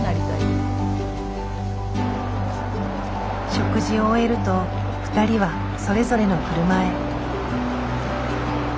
食事を終えると２人はそれぞれの車へ。